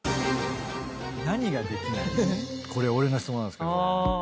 これ俺の質問なんですけど。